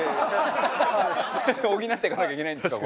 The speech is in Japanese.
補っていかなきゃいけないんですか？